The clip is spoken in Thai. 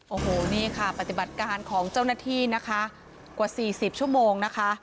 โอ้โหนี่ค่ะปฏิบัติการของเจ้าหน้าที่นะคะกว่า๔๐ชั่วโมงนะคะ